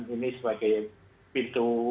ini sebagai pintu